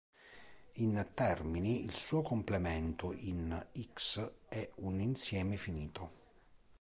In altri termini, il suo complemento in "X" è un insieme finito.